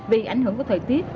vì ảnh hưởng của thời tiết